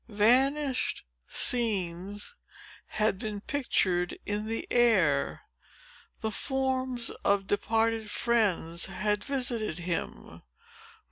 Vanished scenes had been pictured in the air. The forms of departed friends had visited him.